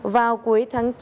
vào cuối tháng chín